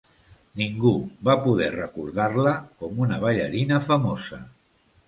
Ningú va poder recordar-la com una ballarina famosa.